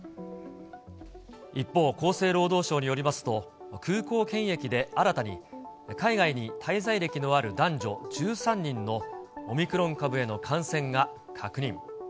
一方、厚生労働省によりますと、空港検疫で新たに、海外に滞在歴のある男女１３人のオミクロン株への感染が確認。